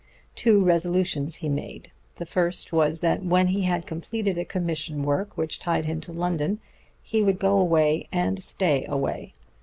Two resolutions he made. The first was that when he had completed a commissioned work which tied him to London he would go away, and stay away.